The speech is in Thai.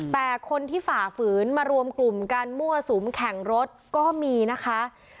แต่คนที่ฝ่าฝืนมารวมกลุ่มการมั่วสุมแข่งรถก็มีนะคะ